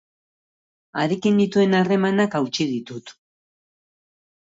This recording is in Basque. Harekin nituen harremanak hautsi ditut.